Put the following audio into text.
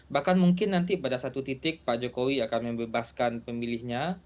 bahkan mungkin nanti pada satu titik pak jokowi akan membebaskan pemilihnya